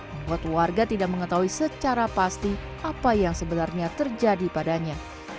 membuat warga tidak mengetahui secara pasti apa yang sebenarnya terjadi padanya